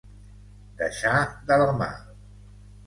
Deixar de la mà.